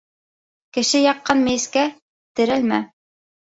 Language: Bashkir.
Кеше яҡҡан мейескә терәлмә.